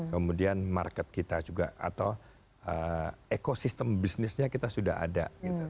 kemudian market kita juga atau ekosistem bisnisnya kita sudah ada